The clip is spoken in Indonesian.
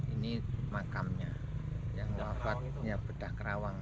ini makamnya yang wafatnya bedah kerawang